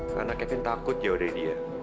karena kevin takut ya udah dia